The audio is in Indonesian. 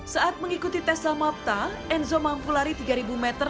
saat mengikuti tes salmabta enzo mampu lari tiga ribu meter